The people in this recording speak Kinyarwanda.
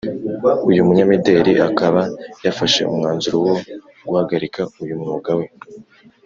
uyu munyamideli akaba yafashe umwanzuro wo guhagarika uyu mwuga we